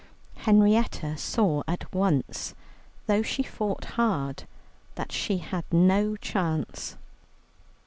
Henrietta saw at once, though she fought hard, that she had no chance.